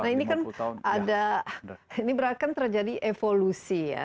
nah ini kan ada ini berakan terjadi evolusi ya